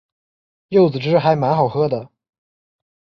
柚子汁还蛮好喝的